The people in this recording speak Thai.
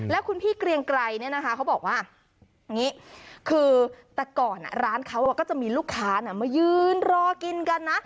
แล้วคุณพี่เกรียงไกรเนี่ยนะคะเขาบอกว่าอย่างนี้คือแต่ก่อนร้านเขาก็จะมีลูกค้ามายืนรอกินกันนะ